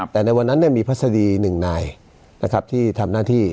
แต่ในวันนั้นเนี่ยมีพัศดี๑นายนะครับที่ทำหน้าที่